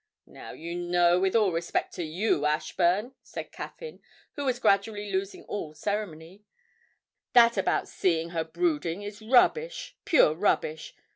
'Now, you know, with all respect to you, Ashburn,' said Caffyn, who was gradually losing all ceremony, 'that about seeing her brooding is rubbish pure rubbish!